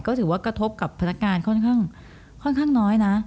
ก็ถือว่ากระทบกับพนักงานค่อนข้างน้อยนะ